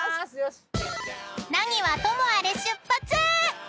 ［何はともあれ出発］